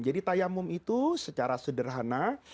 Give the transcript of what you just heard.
tayamum itu secara sederhana